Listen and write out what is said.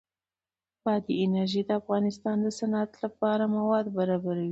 بادي انرژي د افغانستان د صنعت لپاره مواد برابروي.